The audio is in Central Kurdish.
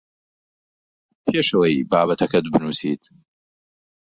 پێش ئەوەی بابەتەکەت بنووسیت